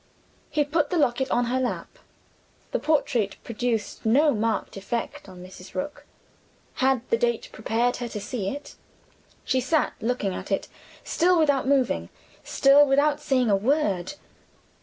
He put the locket on her lap. The portrait produced no marked effect on Mrs. Rook. Had the date prepared her to see it? She sat looking at it still without moving: still without saying a word.